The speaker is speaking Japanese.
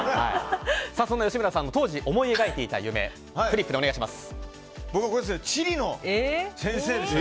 そんな吉村さんの当時、思い描いていた夢フリップでお願いします。